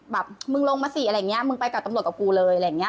มึงลงมาสิอะไรอย่างนี้มึงไปกับตำรวจกับกูเลยอะไรอย่างนี้